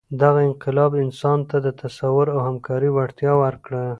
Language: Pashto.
دغه انقلاب انسان ته د تصور او همکارۍ وړتیا ورکړه.